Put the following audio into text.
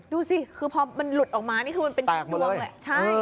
ดูสิคือพอมันหลุดออกมานี่คือมันเป็นทุกดวงแหละใช่